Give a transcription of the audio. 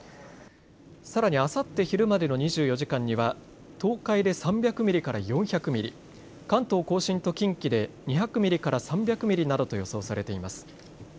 さらにあさって昼までの２４時間には東海で３００ミリから４００ミリ、関東甲信と近畿で２００ミリから３００ミリなどと予想されています。